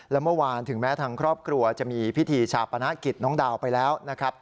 และเมื่อวานถึงแม้ทางครอบครัวจะมีพิธีชาปนกิจน้องดาวไปแล้วนะครับ